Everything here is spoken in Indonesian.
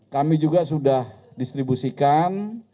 kami juga sudah distribusikan